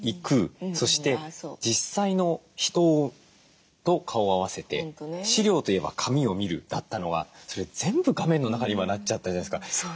そして実際の人と顔を合わせて資料といえば紙を見るだったのがそれ全部画面の中に今なっちゃったじゃないですか。